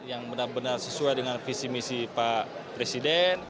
yang benar benar sesuai dengan visi misi pak presiden